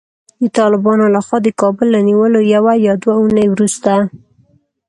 د طالبانو له خوا د کابل له نیولو یوه یا دوې اوونۍ وروسته